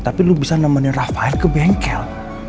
tapi lu bisa nemenin rafael ke bengkel